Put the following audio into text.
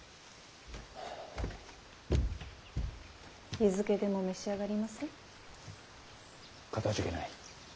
湯漬けでも召し上がります？かたじけない。